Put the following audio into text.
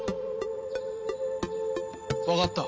わかった。